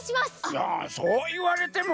いやそういわれても。